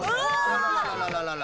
あららららら。